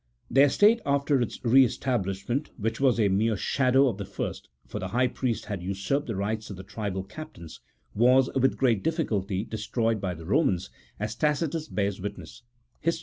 Their state after its re establishment (which was a mere shadow of the first, for the high priests had usurped the rights of the tribal captains) was, with great difficulty, destroyed by the Eomans, as Tacitus bears witness (Hist.